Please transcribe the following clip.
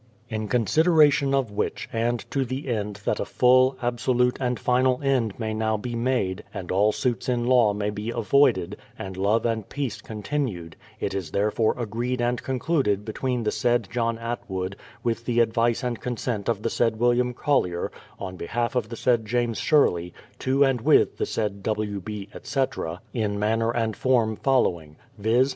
In consideration of which, and to the end that a full, absolute, and final end may now be made, and all suits in law may be avoided, and love and peace continued, it is therefore agreed and concluded between the said John Atwood, with the advice and consent of the said William Collier, on behalf of the said James Sherlej% to and with the said W. B., etc., in manner and form following: viz.